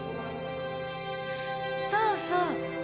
そうそう。